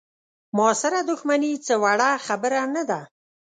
معاصره دوښمني څه وړه خبره نه ده.